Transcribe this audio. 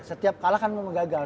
setiap kalah kan memang gagal